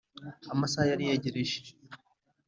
amasaha yari yegereje.